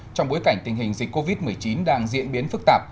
trong bối cảnh tình hình dịch covid một mươi chín đang diễn biến phức tạp